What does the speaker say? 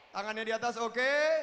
tangannya di atas ok